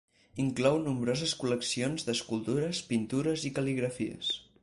Inclou nombroses col·leccions d'escultures, pintures i cal·ligrafies.